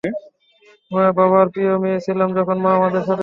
বাবার প্রিয় মেয়ে ছিলাম যখন মা আমাদের সাথে ছিল।